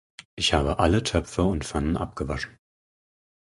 Ich habe alle Töpfe und Pfannen abgewaschen.